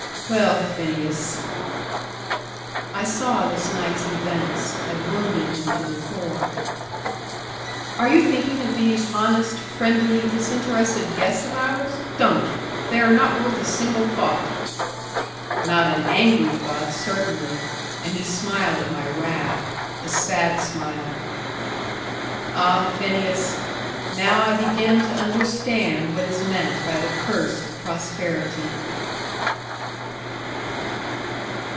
"Well, Phineas!" I saw this night's events had wounded him to the core. "Are you thinking of these honest, friendly, disinterested guests of ours? Don't! They are not worth a single thought." "Not an angry thought, certainly." And he smiled at my wrath a sad smile. "Ah, Phineas! now I begin to understand what is meant by the curse of prosperity."